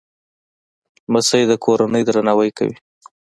لمسی د کورنۍ درناوی کوي.